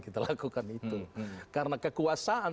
kita lakukan itu karena kekuasaan